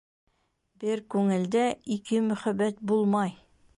Бер күңелдә ике мөхәббәт булмай.